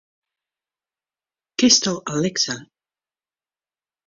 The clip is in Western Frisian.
Kinsto Alexa?